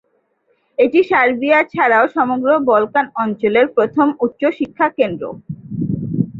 এটি সার্বিয়া ছাড়াও সমগ্র বলকান অঞ্চলের প্রথম উচ্চ শিক্ষা কেন্দ্র।